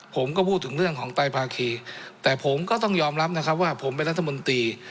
ผมก็พูดถึงเรื่องของไตภาคีแต่ผมก็ต้องยอมรับนะครับว่าผมเป็นรัฐมนตรี